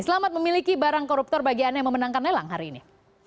selamat memiliki barang koruptor bagi anda yang memenangkan lelang hari ini